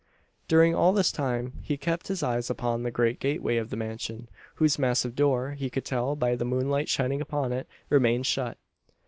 During all this time, he kept his eyes upon the great gateway of the mansion; whose massive door he could tell by the moonlight shining upon it remained shut.